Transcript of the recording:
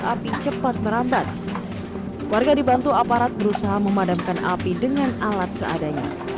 api cepat merambat warga dibantu aparat berusaha memadamkan api dengan alat seadanya